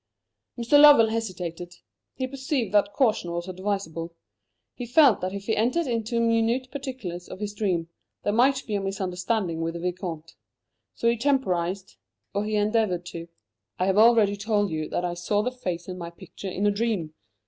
Mr. Lovell hesitated. He perceived that caution was advisable. He felt that if he entered into minute particulars of his dream, there might be a misunderstanding with the Vicomte. So he temporized or he endeavoured to. "I have already told you that I saw the face in my picture in a dream.